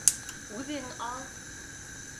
— Үҙең ал!